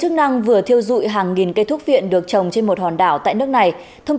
chức năng vừa thiêu dụi hàng nghìn cây thuốc viện được trồng trên một hòn đảo tại nước này thông